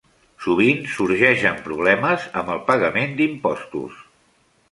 Sovint sorgeixen problemes amb el pagament d'impostos.